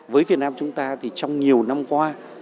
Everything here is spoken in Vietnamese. với việt nam chúng ta thì trong nhiều năm qua